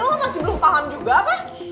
oh masih belum paham juga apa